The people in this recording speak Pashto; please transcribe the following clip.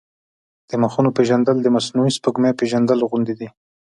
د مخونو پېژندل د مصنوعي سپوږمۍ پېژندل غوندې دي.